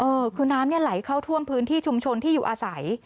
เออคือน้ำเนี่ยไหลเข้าท่วมพื้นที่ชุมชนที่อยู่อาศัย